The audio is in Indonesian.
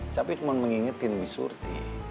tapi cuma mengingetin bi surti